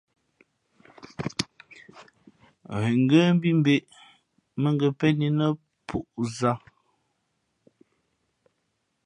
Ghen ngə́ mbí mbᾱʼ ē mά ngα̌ pén í nά pūʼ zǎ.